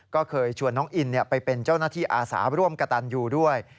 ก็เคยชวนน้องอินไปเป็นเจ้าหน้าที่อาสาร่วมกระตันอยู่ด้วย